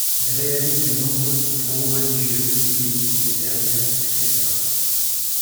Il réalise de nombreux vitraux religieux, civils, des verrières, etc.